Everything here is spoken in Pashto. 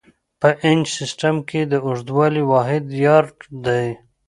په انچ سیسټم کې د اوږدوالي واحد یارډ دی.